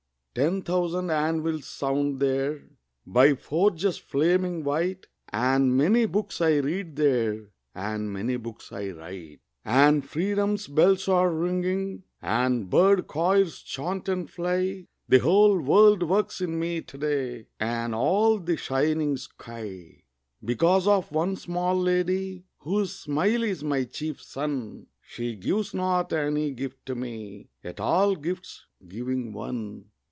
Ten thousand anvils sound there By forges flaming white, And many books I read there, And many books I write; And freedom's bells are ringing, And bird choirs chant and fly The whole world works in me to day And all the shining sky, Because of one small lady Whose smile is my chief sun. She gives not any gift to me Yet all gifts, giving one....